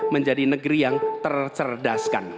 menjadi negeri yang tercerdaskan